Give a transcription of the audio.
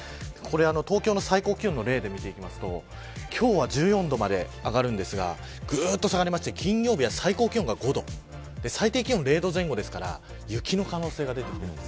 東京の最高気温の例で見ていくと今日は１４度まで上がるんですがぐっと下がりまして金曜日は最高気温が５度最低気温０度前後ですから雪の可能性が出てきています。